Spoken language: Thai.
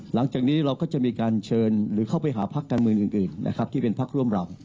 หลังจากนี้เราก็จะมีการเชิญหรือเข้าไปหาพักการเมืองอื่นนะครับที่เป็นพักร่วมรำ